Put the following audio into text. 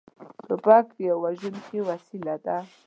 توپک یوه وژونکې وسلې ده.